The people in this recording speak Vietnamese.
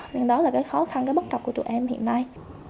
nên đó là khó khăn bắt tập của tụi em hiện nay